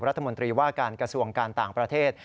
รัฐมนตรีว่าการกระทรวงการต่างประเทศ